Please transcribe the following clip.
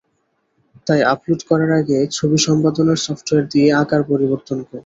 তাই আপলোড করার আগে ছবি সম্পাদনার সফটওয়্যার দিয়ে আকার পরিবর্তন করুন।